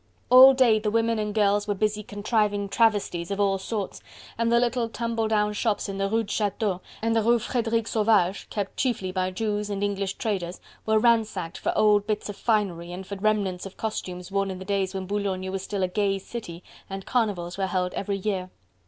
All day the women and girls were busy contriving travesties of all sorts, and the little tumbledown shops in the Rue de Chateau and the Rue Frederic Sauvage kept chiefly by Jews and English traders were ransacked for old bits of finery, and for remnants of costumes, worn in the days when Boulogne was still a gay city and Carnivals were held every year.